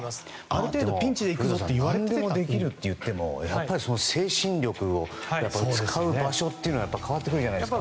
ある程度できるといっても精神力を使う場所というのは変わってくるじゃないですか。